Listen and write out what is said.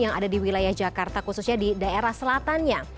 yang ada di wilayah jakarta khususnya di daerah selatannya